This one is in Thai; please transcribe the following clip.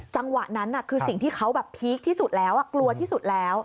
จังหวะนั้นคือสิ่งที่เขาแบบพีคที่สุดแล้วกลัวที่สุดแล้ว